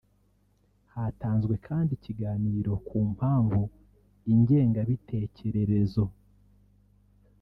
Hatanzwe kandi ikiganiro ku mpamvu ingengabitekererezo